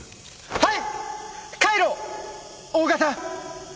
はい。